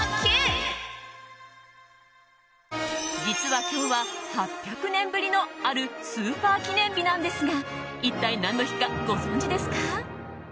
実は今日は、８００年ぶりのあるスーパー記念日なんですが一体何の日か、ご存じですか？